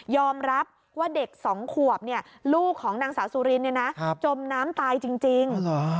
รับว่าเด็ก๒ขวบลูกของนางสาวสุรินจมน้ำตายจริง